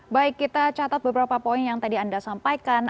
baik kita catat beberapa poin yang tadi anda sampaikan